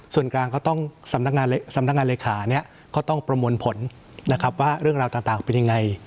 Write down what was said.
ส่วนกลางก็ต้องสำนักงานสำนักงานเลขาเนี่ยก็ต้องประมวลผลนะครับว่าเรื่องราวต่างเป็นยังไง